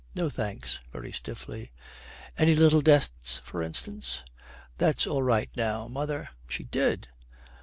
'No thanks,' very stiffly. 'Any little debts, for instance?' 'That's all right now. Mother ' 'She did?'